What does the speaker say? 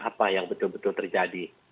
apa yang betul betul terjadi